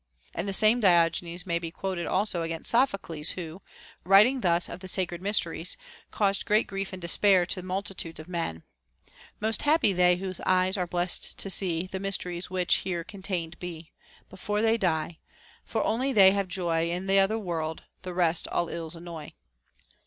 And the same Diogenes may be quoted also against Sophocles, who, writing thus of the sacred myste ries, caused great grief and despair to multitudes of men : Most happy they whose eyes are blest to see The mysteries which here contained be, Before they die ! For only they have joy In th' other world ; the rest all ills annoy.